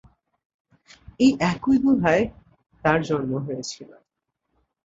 এই একই গুহায় তার জন্ম হয়েছিল।